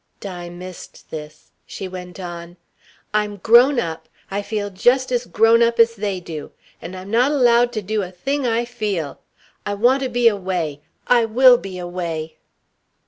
Di missed this. She went on: "I'm grown up. I feel just as grown up as they do. And I'm not allowed to do a thing I feel. I want to be away I will be away!"